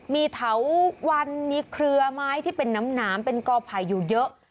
มีเถาวันมีเครือไม้ที่เป็นน้ำเป็นกอไผ่อยู่เยอะ